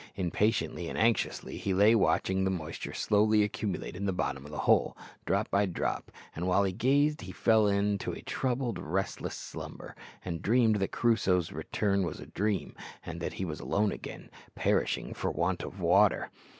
Impatiently and anxiously he lay watching the moisture slowly accumulate in the bottom of the hole, drop by drop, and while he gazed he fell into a troubled, restless slumber, and dreamed that Crusoe's return was a dream, and that he was alone again, perishing for want of water.